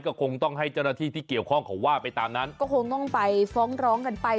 ก็คงต้องให้เจ้าหน้าที่ที่เกี่ยวข้องเขาว่าไปตามนั้นก็คงต้องไปฟ้องร้องกันไป